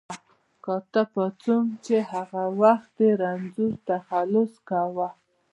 کاتب پاڅون چې هغه وخت یې رنځور تخلص کاوه.